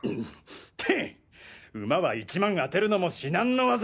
けっ馬は１万当てるのも至難の業！